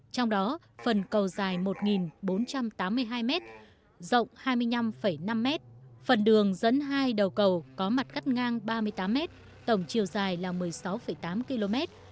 trong đó phần cầu dài một bốn trăm tám mươi hai m rộng hai mươi năm năm mét phần đường dẫn hai đầu cầu có mặt cắt ngang ba mươi tám m tổng chiều dài là một mươi sáu tám km